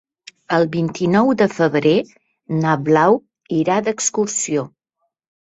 El vint-i-nou de febrer na Blau irà d'excursió.